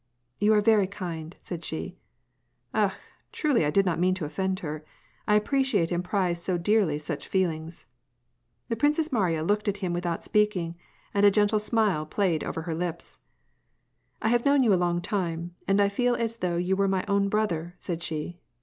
" You are very kind," said she. " Akh ! truly I did not mean to offend her ! I appreciate and prize so dearly such feelings." The Princess Mariya looked at him without speaking, and a gentle smile played over her lips. " I have known you a long time, and I feel as though you were my own brother," said she.